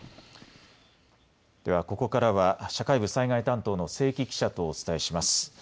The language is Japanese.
ではここからは社会部災害担当の清木記者とお伝えします。